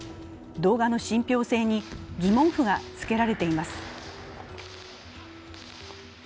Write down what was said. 動画の信ぴょう性に疑問符がつけられています。